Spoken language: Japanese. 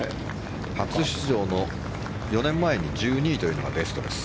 初出場の４年前に１２位というのがベストです。